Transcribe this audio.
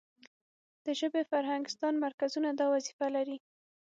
د ژبې فرهنګستان مرکزونه دا وظیفه لري.